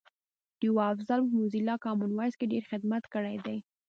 ډیوه افضل په موزیلا کامن وایس کی ډېر خدمت کړی دی